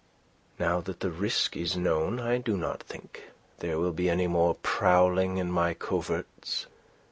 Now that the risk is known, I do not think there will be any more prowling in my coverts.